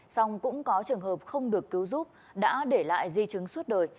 xong cũng có trường hợp không được cứu giúp đã để lại di chứng suốt đời